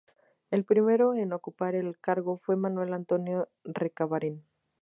El primero en ocupar el cargo fue Manuel Antonio Recabarren.